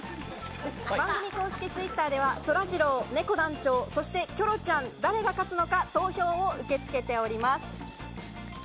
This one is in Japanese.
番組公式Ｔｗｉｔｔｅｒではそらジロー、ねこ団長、そしてキョロちゃん、誰が勝つのか投票を受け付けております。